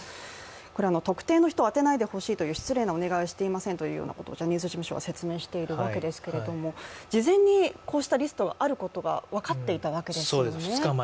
これは特定な人を当てないようにという失礼なお願いはしておりませんとジャニーズ事務所は説明しているわけですけども、事前にこうしたリストがあることが分かっていたわけですよね。